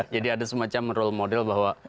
jadi ada semacam role model bahwa